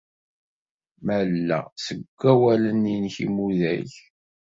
Malleɣ seg wawalen-nnek inmudag.